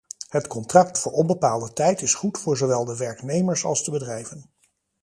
Het contract voor onbepaalde tijd is goed voor zowel de werknemers als de bedrijven.